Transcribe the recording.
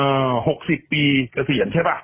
เอ่อ๖๐ปีเกษียณใช่ป่ะ